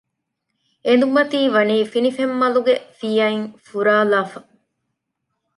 އެނދުމަތީ ވަނީ ފިނިފެންމަލުގެ ފިޔައިން ފުރާލާފަ